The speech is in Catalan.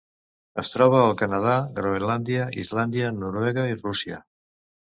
Es troba al Canadà, Groenlàndia, Islàndia, Noruega i Rússia.